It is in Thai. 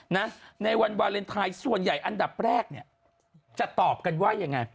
ในวันวาเลนไทยส่วนใหญ่อันดับแรกเนี่ยจะตอบกันว่ายังไง